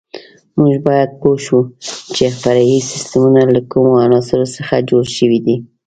موږ باید پوه شو چې فرعي سیسټمونه له کومو عناصرو څخه جوړ شوي دي.